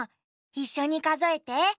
いっしょにかぞえて。